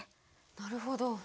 なるほど。